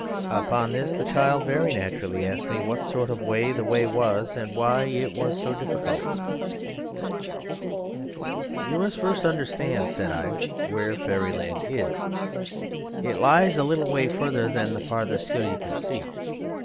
Upon this the child very naturally asked me what sort of way the way was and why it was so difficult. "You must first understand," said I, "where Fairyland is: it lies a little way farther than the farthest hill you can see.